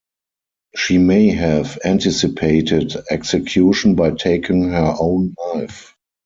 She may have anticipated execution by taking her own life.